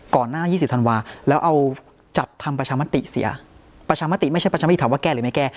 ก่อนหน้า๒๐ธันวาแล้วเอาจัดทำประชามติเสียประชามติไม่ใช่ประชามติถามว่าแก้หรือไม่แก้